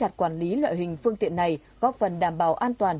chặt quản lý loại hình phương tiện này góp phần đảm bảo an toàn